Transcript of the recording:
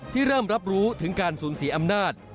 ที่เริ่มรับรู้ถึงการสูญเสียอำนาจ